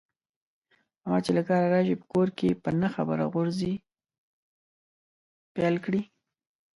احمد چې له کاره راشي، په کور کې په نه خبره غورزی پیل کړي.